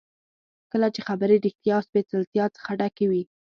کله چې خبرې ریښتیا او سپېڅلتیا څخه ډکې وي.